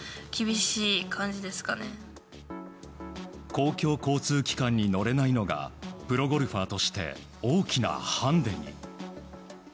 公共交通機関に乗れないのがプロゴルファーとして大きなハンデに。